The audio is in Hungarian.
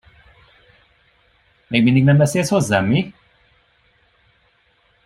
Még mindig nem beszélsz hozzám, mi?